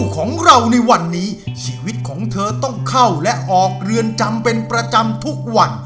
ของเราในวันนี้ชีวิตของเธอต้องเข้าและออกเรือนจำเป็นประจำทุกวัน